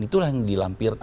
itulah yang dilampirkan